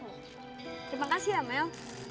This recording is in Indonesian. terima kasih ya mel